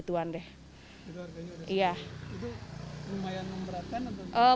itu lumayan memberatkan atau gimana